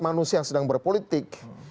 manusia yang sedang berpolitik